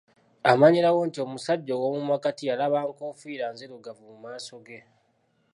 Amanyirawo nti omusajja ow’omu makkati yalaba nkofiira nzirugavu mu maaso ge.